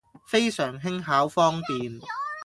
非常輕巧方便